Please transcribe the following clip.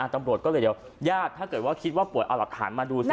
ตำรวจก็เลยเดียวญาติถ้าคิดว่าปวดเอาหลักฐานมาดูซิ